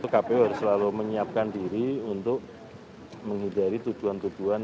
kpu harus selalu menyiapkan diri untuk menghindari tujuan tujuan